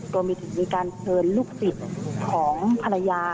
ตรงนี้ถึงมีการเชิญลูกศิษย์ของภรรยา